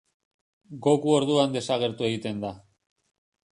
Goku orduan desagertu egiten da.